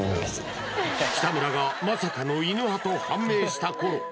北村がまさかの犬派と判明したころ